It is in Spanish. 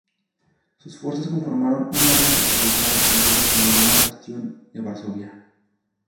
Sus fuerzas conformaron un área fortificada conocida como el "gran bastión de Varsovia".